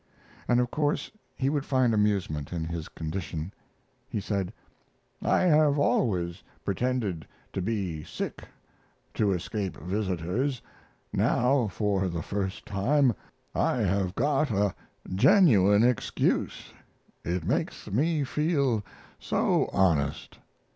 And of course he would find amusement in his condition. He said: "I have always pretended to be sick to escape visitors; now, for the first time, I have got a genuine excuse. It makes me feel so honest."